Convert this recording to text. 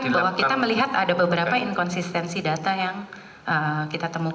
bahwa kita melihat ada beberapa inkonsistensi data yang kita temukan